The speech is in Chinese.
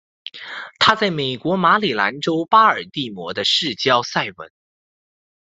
她在美国马里兰州巴尔的摩的市郊塞文。